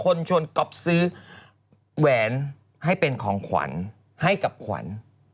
คนชวนก๊อฟซื้อแหวนให้เป็นของขวัญให้กับขวัญ